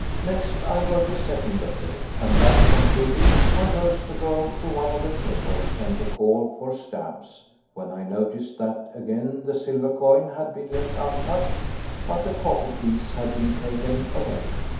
Next I wrote a second letter, and that concluded, I rose to go to one of the tables and to call for stamps, when I noticed that again the silver coin had been left untouched, but the copper piece had been taken away.